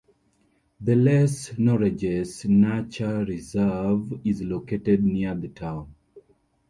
The Les Nourages Nature Reserve is located near the town.